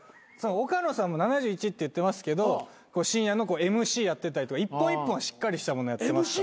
岡野さんも７１って言ってますけど深夜のＭＣやってたりとか１本１本しっかりしたものやってますから。